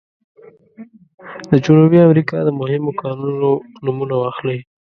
د جنوبي امریکا د مهمو کانونو نومونه واخلئ.